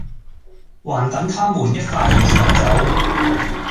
還等她們一塊兒才走